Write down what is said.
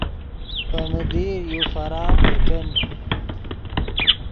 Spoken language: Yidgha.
پے من دیر یو فارم پر کن